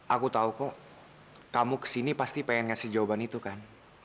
aku tahu kok kamu kesini pasti pengen ngasih jawaban itu kan